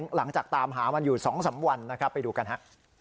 หลังจากตามหามันอยู่๒๓วันนะครับไปดูกันฮะ